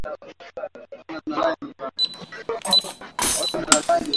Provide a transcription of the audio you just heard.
mwandishi wa habari wa Ufilipino Maria Ressa